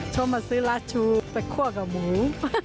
ชมมาซื้อราชูแต่คั่วกับหมู